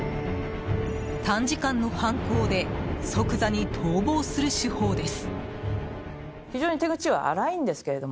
短時間の犯行で即座に逃亡する手法です。